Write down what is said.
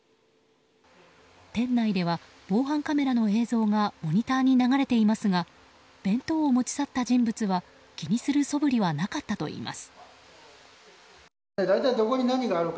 店内では防犯カメラの映像がモニターに流れていますが弁当を持ち去った人物は気にするそぶりはなかったといいます。